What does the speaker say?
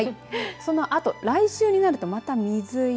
そのあと来週になるとまた水色。